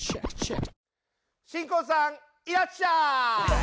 新婚さんいらっしゃい！